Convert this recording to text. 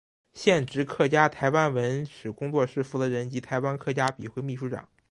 现职客家台湾文史工作室负责人及台湾客家笔会秘书长。